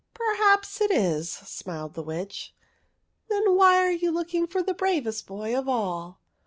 " Perhaps it is," smiled the Witch. " Then 6 THE WEIRD WITCH why are you looking for the bravest boy of all